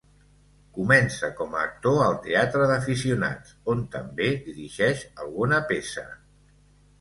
Comença com a actor al teatre d'aficionats, on també dirigeix alguna peça.